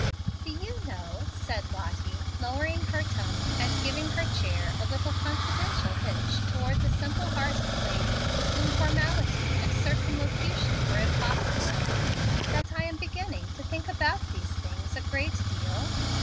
"Do you know," said Lottie, lowering her tone, and giving her chair a little confidential hitch toward the simple hearted lady with whom formality and circumlocution were impossible, "that I am beginning to think about these things a great deal?"